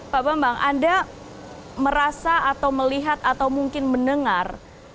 pak bambang anda merasa atau melihat atau mungkin mendengar